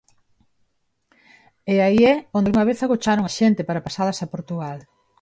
E aí é onde algunha vez agocharon a xente pasa pasalas a Portugal.